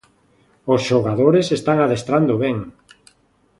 Os xogadores están adestrando ben.